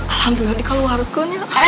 alhamdulillah di keluarga ini